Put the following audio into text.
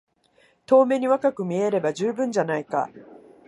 遠目に若く見えれば充分じゃないか。